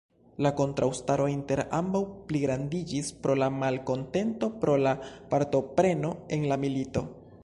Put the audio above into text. La kontraŭstaro inter ambaŭ pligrandiĝis pro la malkontento pro la partopreno en la milito.